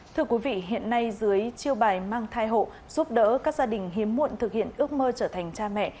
thưa quý vị hiện nay dưới chiêu bài mang thai hộ giúp đỡ các gia đình hiếm muộn thực hiện ước mơ trở thành cha mẹ